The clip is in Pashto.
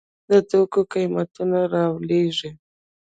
د توکو قیمتونه رالویږي.